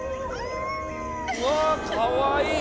うわあかわいい！